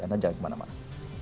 anda jangan kemana mana